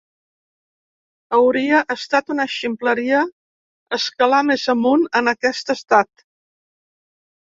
Hauria estat una ximpleria escalar més amunt en aquest estat.